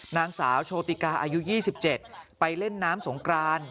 นางสาวโชติกาอายุ๒๗ไปเล่นน้ำสงกราน